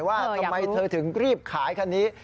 ว่าทำไมเธอถึงรีบขายคันนี้